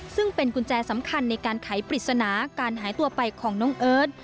ซึ่งเป็นกุญแจสำคัญในการไขปริศนาการหายตัวไปของน้องเอิร์ท